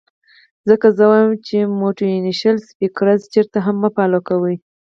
ځکه زۀ وائم چې موټيوېشنل سپيکرز چرته هم مۀ فالو کوئ